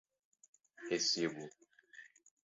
recibo